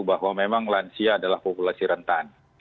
bahwa memang lansia adalah populasi rentan